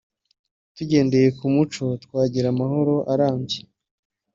tugendeye ku muco twagira amahoro arambye